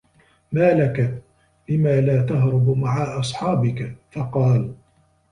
مَا لَك ؟ لِمَ لَا تَهْرَبُ مَعَ أَصْحَابِك ؟ فَقَالَ